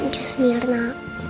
just biar nak